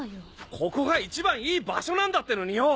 ここが一番いい場所なんだってのによ！！